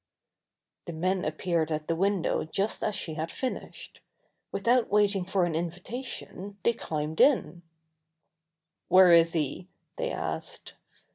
The men appeared at the window just as she had finished. Without waiting for an invita tion they climbed in. "Where is he?" they asked.